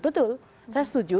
betul saya setuju